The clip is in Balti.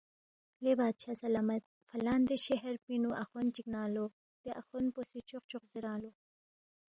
لے بادشاہ سلامت فلان دے شہر پِنگ نُو اخوند چِک ننگ لو، دے اخوند پو سی چوق چوق زیرانگ لو